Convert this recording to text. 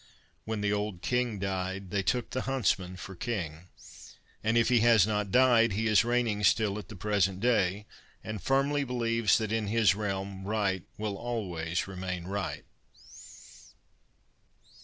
When the old king died they took the huntsman for king, and if he has not died, he is reigning still at the present day, and firmly believes that in his realm right will always remain right.